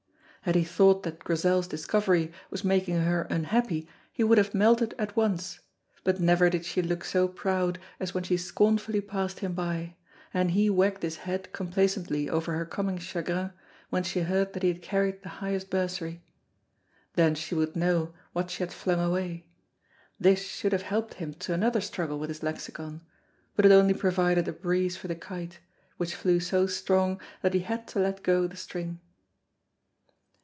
Had he thought that Grizel's discovery was making her unhappy he would have melted at once, but never did she look so proud as when she scornfully passed him by, and he wagged his head complacently over her coming chagrin when she heard that he had carried the highest bursary. Then she would know what she had flung away. This should have helped him to another struggle with his lexicon, but it only provided a breeze for the kite, which flew so strong that he had to let go the string.